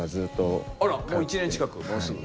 あらもう１年近くもうすぐ。